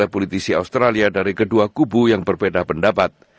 ketika pemimpin twitter mengatakan bahwa twitter adalah kubu yang berbeda pendapat